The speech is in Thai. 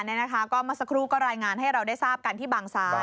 เมื่อสักครู่ก็รายงานให้เราได้ทราบกันที่บางซ้าย